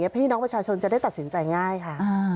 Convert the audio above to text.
พี่น้องประชาชนจะได้ตัดสินใจง่ายค่ะ